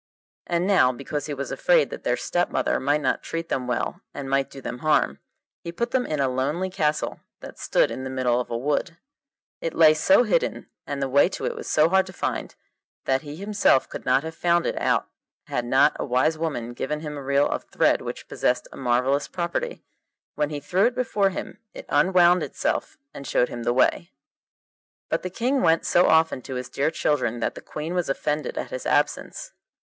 And now, because he was afraid that their stepmother might not treat them well and might do them harm, he put them in a lonely castle that stood in the middle of a wood. It lay so hidden, and the way to it was so hard to find, that he himself could not have found it out had not a wise woman given him a reel of thread which possessed a marvellous property: when he threw it before him it unwound itself and showed him the way. But the King went so often to his dear children that the Queen was offended at his absence.